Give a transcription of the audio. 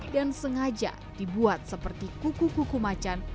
dan sengaja dibuat seperti kuku kuku macan